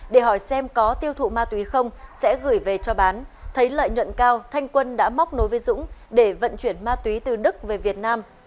để hỏi xem có tiêu thụ ma túy không sẽ gửi về cho bán thấy lợi nhuận cao thanh quân đã móc nối với dũng để vận chuyển ma túy từ đức về việt nam